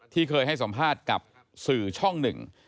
ที่เคยให้สัมภาษณ์กับสื่อช่องหนึ่ง